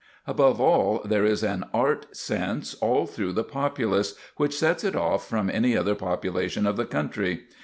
Above all there is an art sense all through the populace which sets it off from any other population of the country.